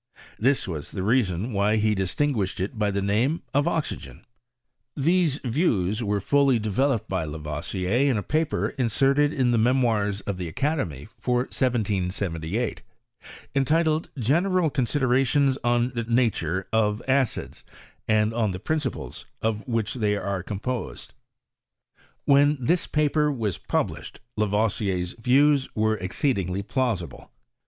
This was the reason why he distinguished it by the name of oxygen.* These views were fully developed by Lavoisier, in a paper inserted in the Memoirs of the Academy, for 1778, HiaTORT OF CHEMIBTET. I I entitled, " General Considerations on the Nature of Acids, and on the Principles of which they are eom pOBcd," When this paper was published, Lavoisier's views were exceedingly plausible.